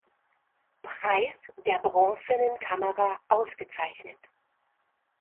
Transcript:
Preis, der "Bronzenen Kamera", ausgezeichnet.